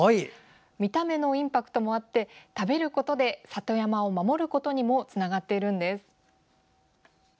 見た目のインパクトもあって食べることで里山を守ることにもつながっているんです。